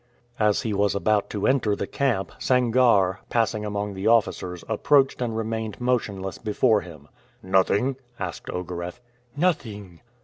As he was about to enter the camp, Sangarre, passing among the officers approached and remained motionless before him. "Nothing?" asked Ogareff. "Nothing."